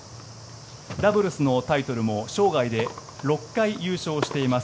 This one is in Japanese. ダブルスのタイトルも生涯で６回優勝しています。